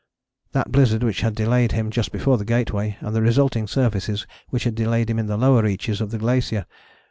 That blizzard which had delayed him just before the Gateway, and the resulting surfaces which had delayed him in the lower reaches of the glacier!